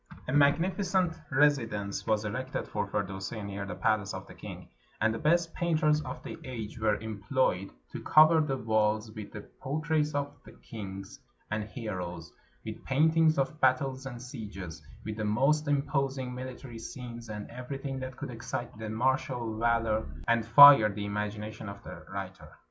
A magnificent residence was erected for Firdusi near the palace of the king, and the best painters of the age 381 PERSIA were employed to cover the walls with the portraits of kings and heroes, with paintings of battles and sieges, with the most imposing military scenes, and everything that could excite the martial valor and fire the imagina tion of the writer.